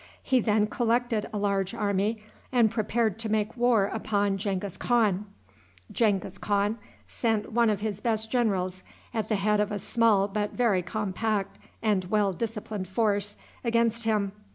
He then collected a large army, and prepared to make war upon Genghis Khan. Genghis Khan sent one of his best generals, at the head of a small but very compact and well disciplined force, against him.